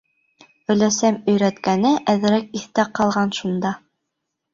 — Өләсәм өйрәткәне әҙерәк иҫтә ҡалған шунда.